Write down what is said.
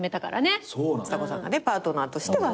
ちさ子さんがねパートナーとしてはそう。